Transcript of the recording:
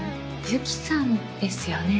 雪さんですよね？